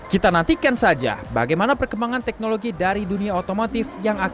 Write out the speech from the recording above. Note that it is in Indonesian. kita nantikan saja bagaimana perkembangan teknologi dari dunia otomotif yang akan mengembangkan